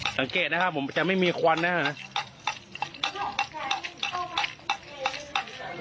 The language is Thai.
สังเกตนะครับผมจะไม่มีควันนะครับ